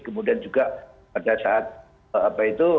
kemudian juga pada saat